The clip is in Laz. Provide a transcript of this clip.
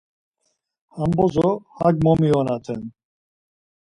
Hem bozo hak momiyonaten.